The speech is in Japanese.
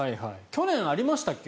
去年ありましたっけ？